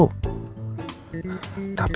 tapi kalau sampai